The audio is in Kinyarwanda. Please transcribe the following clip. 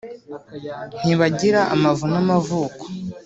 ntibagira amavu n’ amavuko